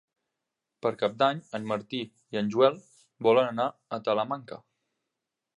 Per Cap d'Any en Martí i en Joel volen anar a Talamanca.